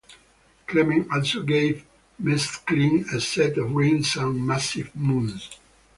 Clement also gave Mesklin a set of rings and massive moons.